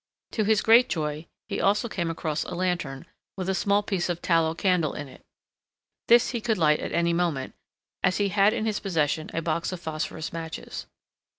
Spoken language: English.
To his great joy he also came across a lantern, with a small piece of tallow candle in it. This he could light at any moment, as he had in his possession a box of phosphorus matches.